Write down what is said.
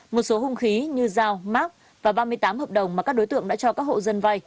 một số hung khí như giao mạc và ba mươi tám hợp đồng mà các đối tượng đã cho các hộ dân vai